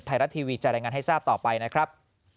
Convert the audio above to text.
ไทยรัฐทีวีจะรายงานให้ทราบต่อไปนะครับ